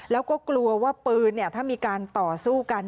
แล้วก็กลัวว่าปืนถ้ามีการต่อสู้กัน